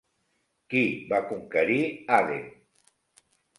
Qui va conquerir Aden?